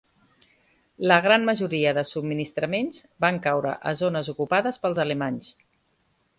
La gran majoria de subministraments van caure a zones ocupades pels alemanys.